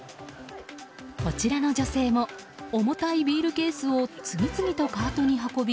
こちらの女性も重たいビールケースを次々とカートに運び